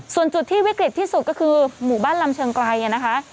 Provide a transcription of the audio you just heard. ส่วนจุดที่วิกฤตที่สุดก็คือหมู่บ้านลำเชิงไกลนะคะ